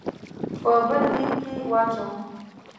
په بل دېګ کې واچوو.